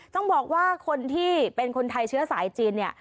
ต้องบอกว่าคนที่เป็นคนไทยเชื้อสายจีนเนี่ย